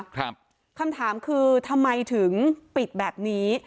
คำถามคือทำไมถึงปิดแบบนี้